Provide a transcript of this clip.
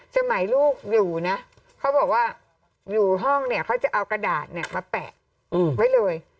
สมัยลูกอยู่นะเขาบอกว่าอยู่ห้องเนี่ยเขาจะเอากระดาษมาแปะไว้เลย